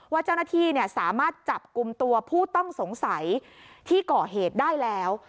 ว่าเจ้าหน้าที่สามารถจับกลุ่มตัวผู้ต้องสงสัยที่ก่อเหตุได้แล้ว